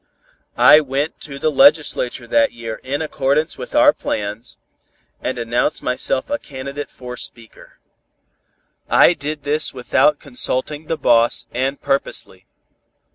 I went to the legislature that year in accordance with our plans, and announced myself a candidate for speaker. I did this without consulting the boss and purposely.